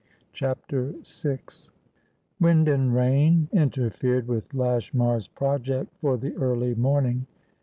CHAPTER VI Wind and rain interfered with Lashmar's project for the early morning.